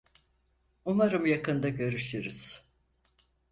Umarım yakında görüşürüz.